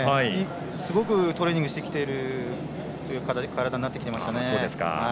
すごくトレーニングしてきている体になっていますね。